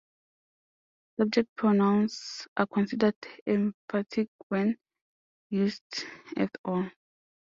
Subject pronouns are considered emphatic when used at all.